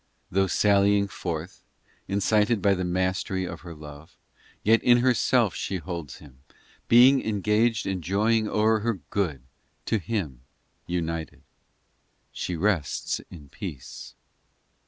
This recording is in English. Though sallying forth Incited by the mastery of her love, Yet in herself she holds Him Being engaged In joying o er her Good, to Him united. VI She rests in peace.